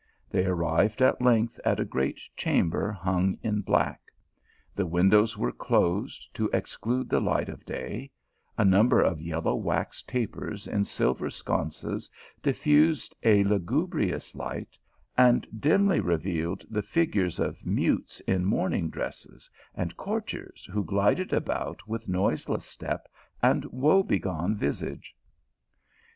They arrived at 238 THE ALIIAMBRA. length at a great chamber hung in black. The win dows were closed, to exclude the light of day; a number of yellow wax tapers, in silver sconces, dif fused a lugubrious light, and dimly revealed the fig ures of mutes in mourning dresses, and courtiers, who glided about with noiseless step and woe begone visage.